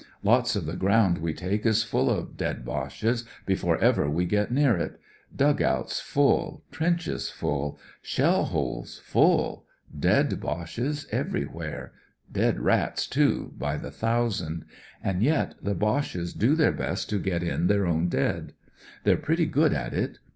Lots of the ground we take is full of dead Boches before ever we get near it— dug outs full, trenches full, sheU holes full dead Boches everywhere ; dead rats, too, by the thousand. And yet the Boches do their best to get in thek own dead. They're pretty good at it.